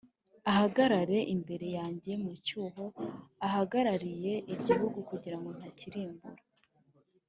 ahagarare imbere yanjye mu cyuho ahagarariye igihugu kugira ngo ntakirimbura,